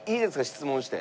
質問して。